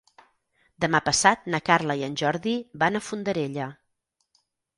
Demà passat na Carla i en Jordi van a Fondarella.